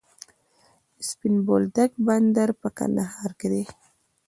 د سپین بولدک بندر په کندهار کې دی